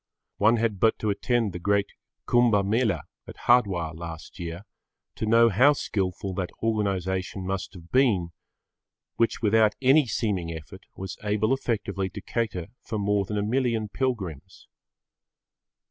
One had but to attend the great Kumbha Mela at Hardwar last year to know how skilful that organisation must have been, which without any seeming effort was able effectively to cater for more than a million pilgrims.